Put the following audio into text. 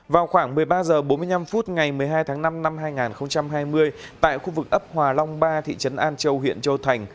vào khoảng một mươi ba h bốn mươi năm phút ngày một mươi hai tháng năm năm hai nghìn hai mươi tại khu vực ấp hòa long ba thị trấn an châu huyện châu thành